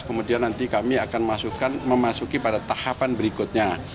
kemudian nanti kami akan memasuki pada tahapan berikutnya